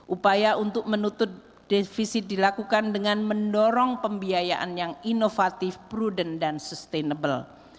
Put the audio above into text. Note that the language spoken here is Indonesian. upaya untuk menutup defisit dilakukan dengan mendorong pembiayaan yang inovatif prudent dan sustainable